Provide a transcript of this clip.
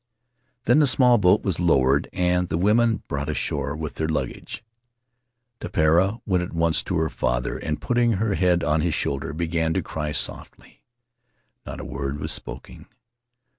Then the small boat was lowered and the women brought ashore with their luggage. Tepera went at once to her father Faery Lands of the South Seas and, putting her head on his shoulder, began to cry softly. Not a word was spoken.